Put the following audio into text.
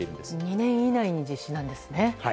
２年以内に実施なんですね。